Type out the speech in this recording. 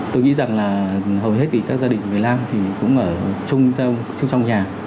tôi nghĩ rằng là hầu hết các gia đình người nam thì cũng ở trong nhà